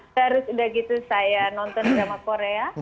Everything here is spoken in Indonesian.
terus udah gitu saya nonton drama korea